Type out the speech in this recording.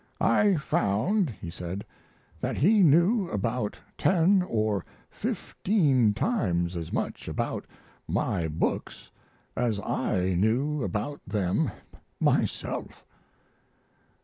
"I found," he said, "that he knew about ten or fifteen times as much about my books as I knew about them myself."